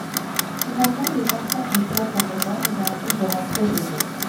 Finalement, les enfants regrettent la maison et ont envie de rentrer chez eux.